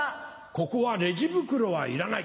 ここはレジ袋はいらない。